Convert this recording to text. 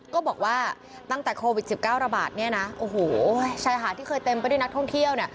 ก็บอกว่าตั้งแต่โควิด๑๙ระบาดเนี่ยนะโอ้โหชายหาดที่เคยเต็มไปด้วยนักท่องเที่ยว